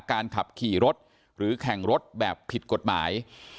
การขับขี่รถหรือแข่งรถแบบผิดกฎหมาย